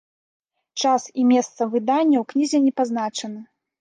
Час і месца выдання ў кнізе не пазначаны.